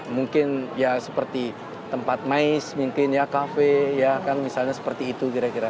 mungkin ya seperti tempat mais mungkin ya kafe ya kan misalnya seperti itu kira kira